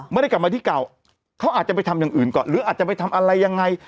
ไม่ได้กลับมาที่เก่าเขาอาจจะไปทำอย่างอื่นก่อนหรืออาจจะไปทำอะไรยังไง